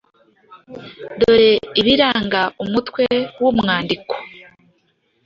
Dore ibiranga umutwe w’umwandiko: